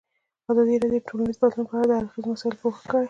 ازادي راډیو د ټولنیز بدلون په اړه د هر اړخیزو مسایلو پوښښ کړی.